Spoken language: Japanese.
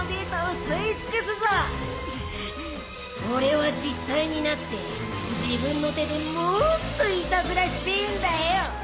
俺は実体になって自分の手でもっといたずらしてぇんだよ。